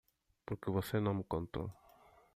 Por que você não me contou?